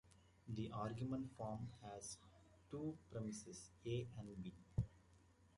The argument form has two premises, "A" and "B".